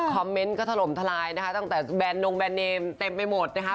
เมนต์ก็ถล่มทลายนะคะตั้งแต่แนนงแรนเนมเต็มไปหมดนะคะ